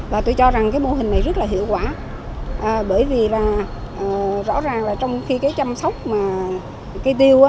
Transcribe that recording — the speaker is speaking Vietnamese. và tôi cho rằng cái mô hình này rất là hiệu quả bởi vì là rõ ràng là trong khi cái chăm sóc mà cây tiêu